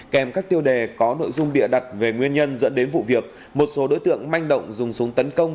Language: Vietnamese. kèm các tiêu đề có nội dung bịa đặt về nguyên nhân dẫn đến vụ việc một số đối tượng manh động dùng súng tấn công